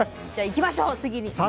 じゃあ行きましょう次に。